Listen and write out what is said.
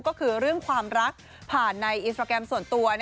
ก็คือเรื่องความรักผ่านในอินสตราแกรมส่วนตัว